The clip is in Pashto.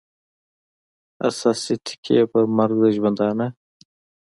اساسي ټکي یې پر مرګ د ژوندانه